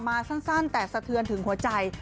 สั้นแต่สะเทือนถึงหัวใจ